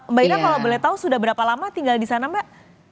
mbak ira kalau boleh tahu sudah berapa lama tinggal di sana mbak